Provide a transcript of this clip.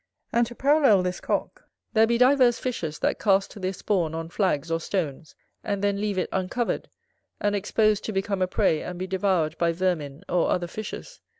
And to parallel this Cock, there be divers fishes that cast their spawn on flags or stones, and then leave it uncovered, and exposed to become a prey and be devoured by vermin or other fishes.